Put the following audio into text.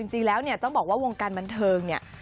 จริงแล้วต้องบอกว่าวงการบันเทิงนี่